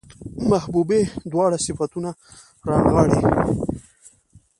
محبوبې دواړه صفتونه رانغاړي